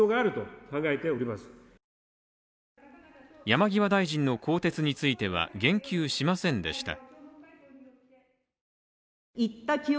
山際大臣の更迭については言及しませんでした